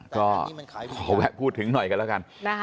ก็ขอแวะพูดถึงหน่อยกันแล้วกัน